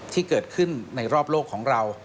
ที่เกิดขึ้นในรอบโลกของเรา